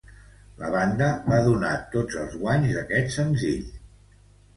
La banda va donar tots els guanys d'este senzill.